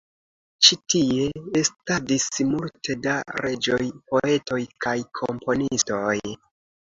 Ĉi tie estadis multe da reĝoj, poetoj kaj komponistoj.